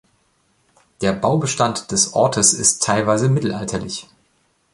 Der Baubestand des Ortes ist teilweise mittelalterlich.